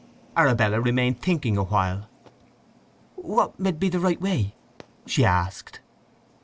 Arabella remained thinking awhile. "What med be the right way?" she asked.